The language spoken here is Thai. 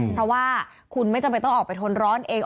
เพราะว่าคุณไม่จำเป็นต้องออกไปทนร้อนเอง